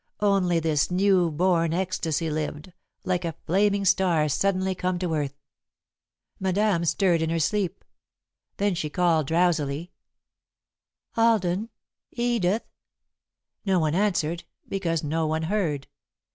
Only this new born ecstasy lived, like a flaming star suddenly come to earth. Madame stirred in her sleep. Then she called, drowsily: "Alden! Edith!" No one answered, because no one heard.